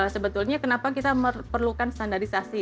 sebetulnya kenapa kita perlukan standarisasi